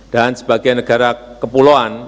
dan sebagai negara kepulauan